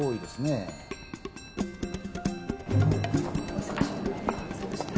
お忙しいところありがとうございました。